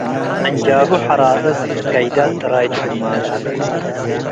አንጃቡ ሐራጽጽ - ገይዳት ጥራይቱ ልማዱ